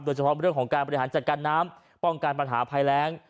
เฉพาะเรื่องของการบริหารจัดการน้ำป้องกันปัญหาภัยแรง